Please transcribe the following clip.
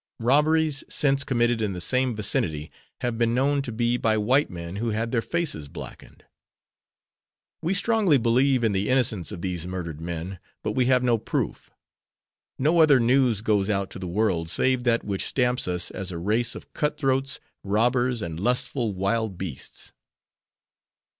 Robberies since committed in the same vicinity have been known to be by white men who had their faces blackened. We strongly believe in the innocence of these murdered men, but we have no proof. No other news goes out to the world save that which stamps us as a race of cutthroats, robbers and lustful wild beasts.